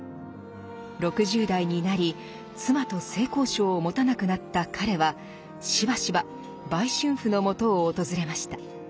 ６０代になり妻と性交渉を持たなくなった彼はしばしば売春婦のもとを訪れました。